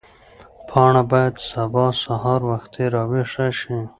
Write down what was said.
پاڼه باید سبا سهار وختي راویښه شي.